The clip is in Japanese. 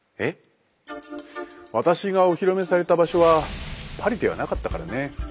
私がお披露目された場所はパリではなかったからね。